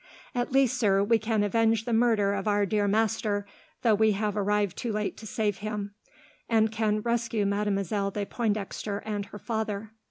At least, sir, we can avenge the murder of our dear master, though we have arrived too late to save him; and can rescue Mademoiselle de Pointdexter and her father."